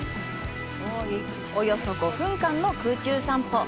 およそ５分間の空中散歩。